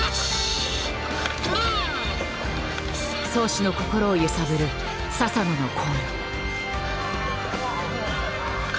漕手の心を揺さぶる「佐々野のコール」。